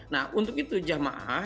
nah untuk itu jamaah